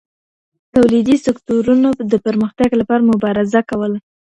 توليدي سکتورونو د پرمختګ لپاره مبارزه کوله.